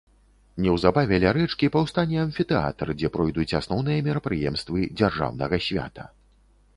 Неўзабаве ля рэчкі паўстане амфітэатр, дзе пройдуць асноўныя мерапрыемствы дзяржаўнага свята.